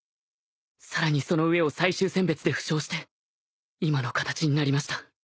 さらにその上を最終選別で負傷して今の形になりました